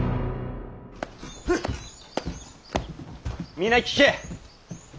皆聞け。